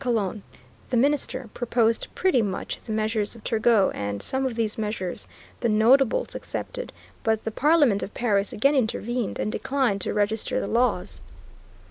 Calonne, the minister, proposed pretty much the measures of Turgot, and some of these measures the "notables" accepted, but the Parliament of Paris again intervened and declined to register the laws.